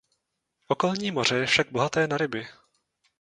Okolní moře je však bohaté na ryby.